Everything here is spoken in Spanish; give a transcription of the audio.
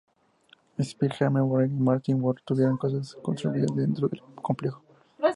Speer, Hermann Göring y Martin Bormann tuvieron casas construidas dentro del complejo.